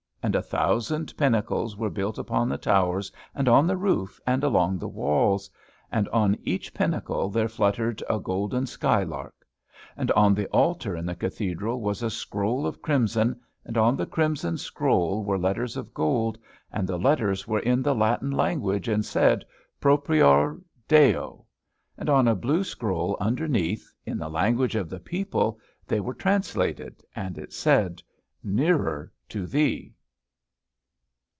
And a thousand pinnacles were built upon the towers and on the roof and along the walls; and on each pinnacle there fluttered a golden sky lark. And on the altar in the Cathedral was a scroll of crimson, and on the crimson scroll were letters of gold, and the letters were in the Latin language, and said "Propior Deo," and on a blue scroll underneath, in the language of the people they were translated, and it said, "Nearer to Thee."